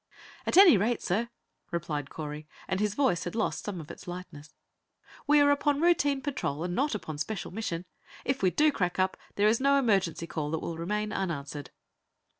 "At any rate, sir," replied Correy, and his voice had lost some of its lightness, "we are upon routine patrol and not upon special mission. If we do crack up, there is no emergency call that will remain unanswered."